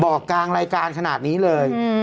กลางรายการขนาดนี้เลย